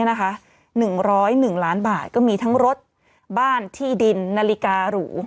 ก็คงเห็นตัวแทนลหร่อยลาภารกรุงบาทมีบ้านที่ดินนาฬิการู